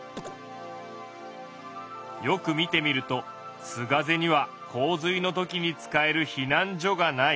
よく見てみると須ヶ瀬には洪水のときに使える避難所がない。